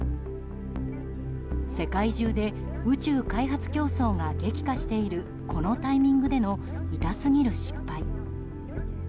世界中で宇宙開発競争が激化しているこのタイミングでの痛すぎる失敗。